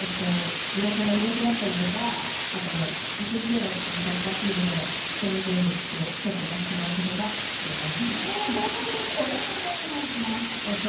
地元のイベントだったりとかあと、サッカーチームのホームゲームでちょっと歌わせてもらったりとかしてます。